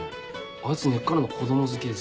あいつ根っからの子供好きです。